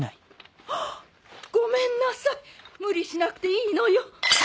ごめんなさい無理しなくていいのよ！